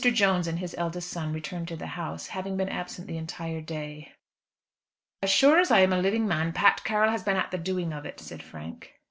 Jones and his eldest son returned to the house, having been absent the entire day. "As sure as I am a living man, Pat Carroll has been at the doing of it," said Frank.